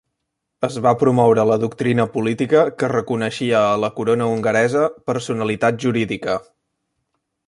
Es va promoure la doctrina política que reconeixia a la Corona Hongaresa personalitat jurídica.